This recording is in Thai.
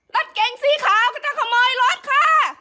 นัดเกงสี่ขาวจะขโมยรถค่ะ